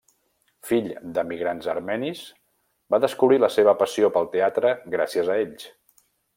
Fill d'emigrants armenis, va descobrir la seva passió pel teatre gràcies a ells.